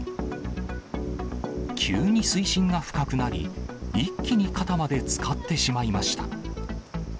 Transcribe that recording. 急に水深が深くなり、一気に肩までつかってしまいました。